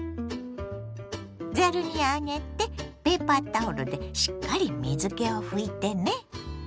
ざるに上げてペーパータオルでしっかり水けを拭いてね。